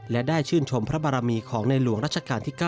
และได้ชื่นชมพระบารมีของในหลวงรัชกาลที่๙